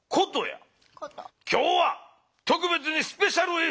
今日はとくべつにスペシャルえい